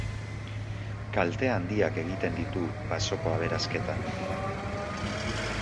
Kalte handiak egiten ditu basoko aberasketan.